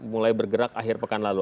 mulai bergerak akhir pekan lalu